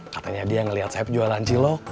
katanya dia ngeliat saeb jualan cilok